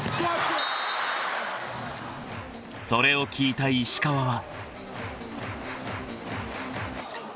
［それを聞いた石川は］